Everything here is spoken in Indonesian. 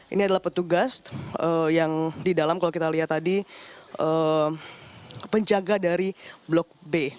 ini adalah petugas yang di dalam kalau kita lihat tadi penjaga dari blok b